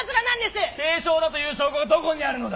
軽症だという証拠がどこにあるのだ！